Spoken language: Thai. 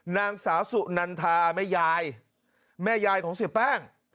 นางสาวสุนันทาแม่ยายแม่ยายของเสียแป้ง